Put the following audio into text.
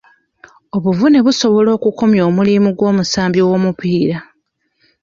Obuvune busobola okukomya omulimu gw'omusambi w'omupiira.